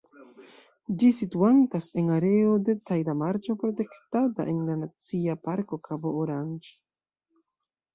Ĝi situantas en areo de tajda marĉo protektata en la Nacia Parko Kabo Orange.